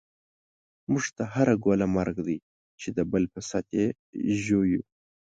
موږ ته هره ګوله مرګ دی، چی دبل په ست یی ژوویو